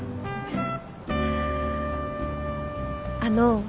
あの。